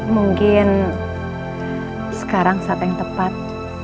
mungkin sekarang saat yang tepat